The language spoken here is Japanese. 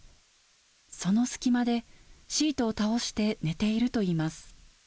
その隙間で、シートを倒して寝ているといいます。